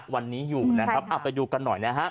วันนี้อยู่อับไปดูกันหน่อย